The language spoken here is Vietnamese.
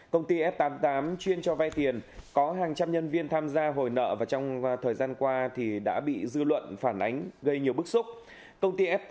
công ty f tám mươi tám chuyên cho vay tiền có hàng trăm nhân viên tham gia hồi nợ và trong thời gian qua đã bị dư luận phản ánh gây nhiều bức xúc